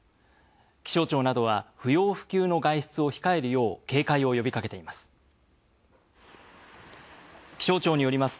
気象庁などは不要不急の外出を控えるよう警戒を呼びかけています。